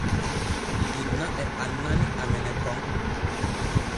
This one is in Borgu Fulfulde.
Inna e annani amene kon.